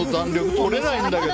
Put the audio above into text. とれないんだけど。